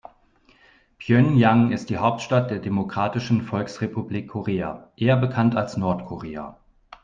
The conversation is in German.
Pjöngjang ist die Hauptstadt der Demokratischen Volksrepublik Korea, eher bekannt als Nordkorea.